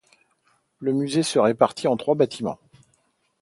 Le musée se répartit en trois bâtiments.